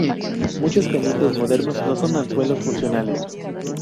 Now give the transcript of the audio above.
Muchos pendientes modernos no son anzuelos funcionales.